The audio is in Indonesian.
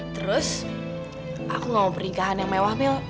terus aku gak mau pernikahan yang mewah mil